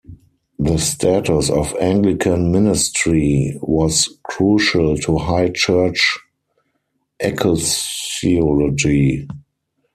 The status of Anglican ministry was crucial to high church ecclesiology.